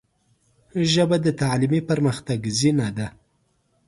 ژبه د تعلیمي پرمختګ زینه ده